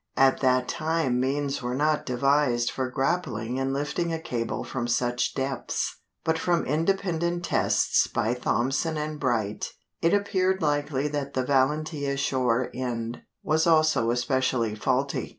At that time means were not devised for grappling and lifting a cable from such depths. But from independent tests by Thomson and Bright, it appeared likely that the Valentia shore end was also especially faulty.